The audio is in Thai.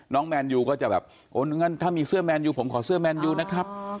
น้องแมนยูก็จะแบบถ้ามีเสื้อแมนยูผมขอเสื้อแมนยูนะครับ